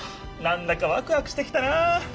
なんだかワクワクしてきたな。